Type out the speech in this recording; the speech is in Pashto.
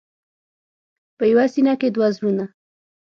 په یوه سینه کې دوه زړونه.